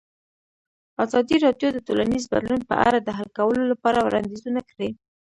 ازادي راډیو د ټولنیز بدلون په اړه د حل کولو لپاره وړاندیزونه کړي.